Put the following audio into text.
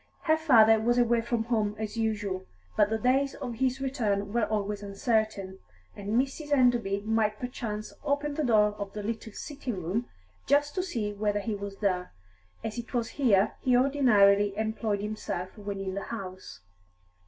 Her father was away from home, as usual, but the days of his return were always uncertain, and Mrs. Enderby might perchance open the door of the little sitting room just to see whether he was there, as it was here he ordinarily employed himself when in the house.